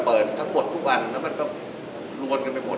เปิดแต่ละทุกทุกอันแล้วก็โรนกันไปหมด